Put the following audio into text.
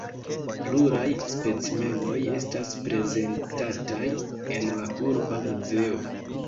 Pluraj specimenoj estas prezentataj en la Urba Muzeo.